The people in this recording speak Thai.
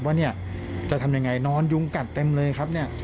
ว่าจะทำยังไงนอนยุ้งกัดเต็มเลยครับ